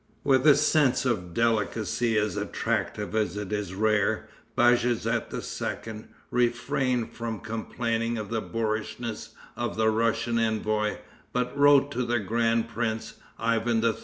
With a sense of delicacy as attractive as it is rare, Bajazet II. refrained from complaining of the boorishness of the Russian envoy, but wrote to the grand prince, Ivan III.